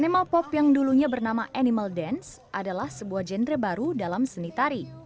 animal pop yang dulunya bernama animal dance adalah sebuah genre baru dalam seni tari